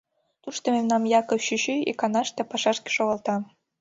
Тушто мемнам Яков чӱчӱ иканаште пашашке шогалта.